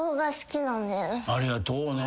ありがとうな。